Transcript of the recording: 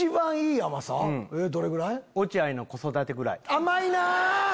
甘いなぁ！